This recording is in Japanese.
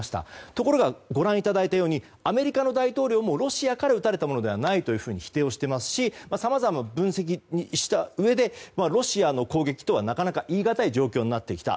ところがご覧いただいたようにアメリカの大統領も、ロシアから撃たれたものではないと否定をしていますしさまざまな分析をしたうえでロシアの攻撃とはなかなか言いがたい状況となってきた。